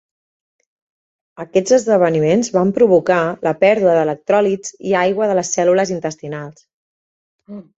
Aquests esdeveniments van provocar la pèrdua d'electròlits i aigua de les cèl·lules intestinals.